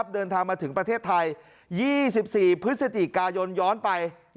เดินทางมาถึงประเทศไทย๒๔พฤศจิกายนย้อนไป